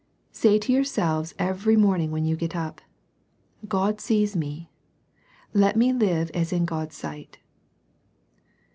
Say to yourselves every morning when you get up, —" God sees me. Let me live as in God's sight."